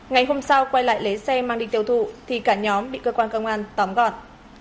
ngày hôm sau quay lại lấy xe mang đi tiêu thụ thì cả nhóm bị cơ quan công an tóm gọn